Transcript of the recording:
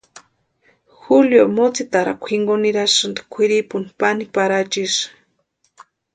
Julio motsitarakwa jinkoni nirasïnti kwʼiripuni pani Parachu isï.